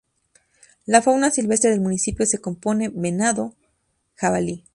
La fauna silvestre del municipio se compone venado, jabalí.